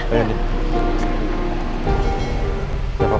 elsa sudah tertangkap